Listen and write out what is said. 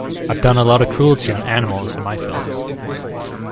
I've done a lot of cruelty on animals in my films.